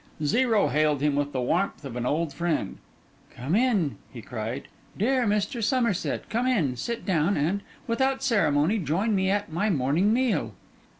Zero hailed him with the warmth of an old friend. 'Come in,' he cried, 'dear Mr. Somerset! Come in, sit down, and, without ceremony, join me at my morning meal.